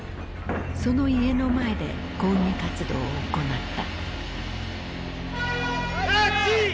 その家の前で抗議活動を行った。